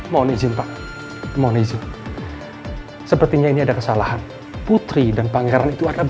mohon izin pak mohon izin sepertinya ini ada kesalahan putri dan pangeran itu ada